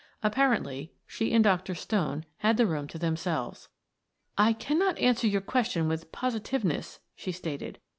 Apparently, she and Dr. Stone had the room to themselves. "I cannot answer your question with positiveness," she stated.